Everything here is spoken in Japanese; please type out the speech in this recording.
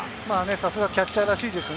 さすがキャッチャーらしいですよね。